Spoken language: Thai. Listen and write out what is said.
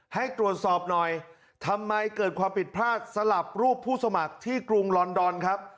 ให้ตรวจสอบหน่อยทำไมเกิดความผิดพลาดสลับรูปผู้สมัครที่กรุงลอนดอนครับ